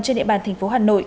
trên địa bàn tp hà nội